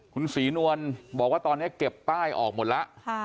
คุณศรีนวลบอกว่าตอนนี้เก็บป้ายออกหมดแล้ว